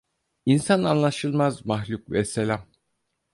İnsan anlaşılmaz mahluk vesselam…